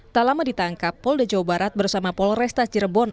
tak lama ditangkap polda jawa barat bersama polresta cirebon